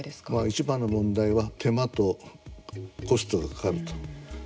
いちばんの問題は手間とコストがかかると。